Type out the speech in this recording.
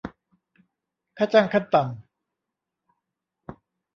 ค่าจ้างขั้นต่ำ